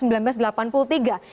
pertama adalah penjamanan jaminan orang